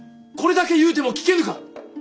これだけ言うても聞けぬか。